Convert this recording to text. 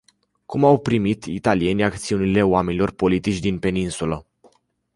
Cum au primit italienii acțiunile oamenilor politici din peninsulă.